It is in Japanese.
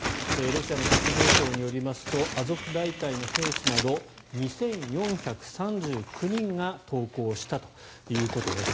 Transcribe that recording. ロシアの国防省によりますとアゾフ大隊の兵士など２４３９人が投降したということです。